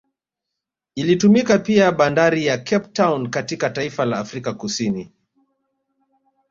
Ilitumika pia Bnadari ya Cape Town katika taifa la Afrika Kusini